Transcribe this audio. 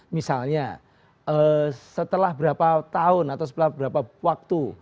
misalnya setelah berapa tahun atau setelah berapa waktu